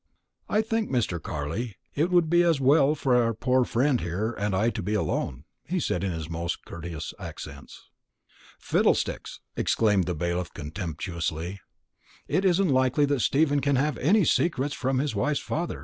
"I think, Mr. Carley, it would be as well for our poor friend and I to be alone," he said in his most courteous accents. "Fiddlesticks!" exclaimed the bailiff contemptuously. "It isn't likely that Stephen can have any secrets from his wife's father.